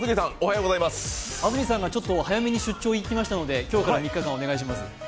安住さんが早めに出張いきましたので、今日から３日間、お願いします。